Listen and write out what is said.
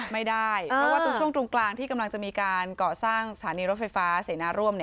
ไม่ได้เพราะว่าตรงช่วงตรงกลางที่กำลังจะมีการก่อสร้างสถานีรถไฟฟ้าเสนาร่วม